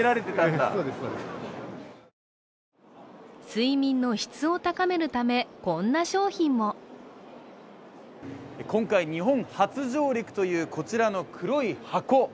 睡眠の質を高めるため、こんな商品も今回、日本初上陸というこちらの黒い箱。